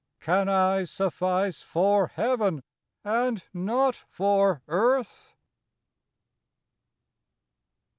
Can I suffice for Heaven, and not for earth